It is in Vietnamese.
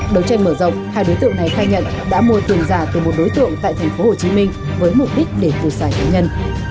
đầu tranh mở rộng hai đối tượng này khai nhận đã mua tiền giả từ một đối tượng tại tp hcm với mục đích để phụ sải tổ nhân